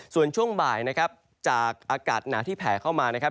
ส่วนช่วงบ่ายจากอากาศหนาวที่แผ่เข้ามา